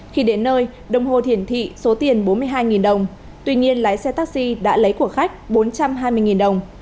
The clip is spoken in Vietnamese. khi đến nơi đồng hồ hiển thị số tiền bốn mươi hai đồng tuy nhiên lái xe taxi đã lấy của khách bốn trăm hai mươi đồng